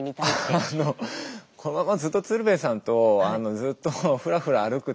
えっとこのままずっと鶴瓶さんとずっとふらふら歩く